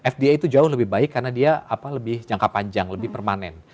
fda itu jauh lebih baik karena dia lebih jangka panjang lebih permanen